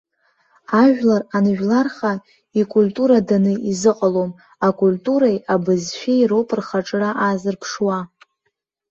Ажәлар анжәларха, икультураданы изыҟалом, акультуреи абызшәеи роуп рхаҿра аазырԥшуа.